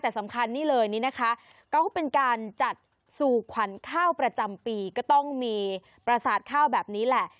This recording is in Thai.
แต่สำคัญนี่เลยนี่นะคะก็เป็นการจัดสู่ขวัญข้าวประจำปีก็ต้องมีประสาทข้าวแบบนี้แหละ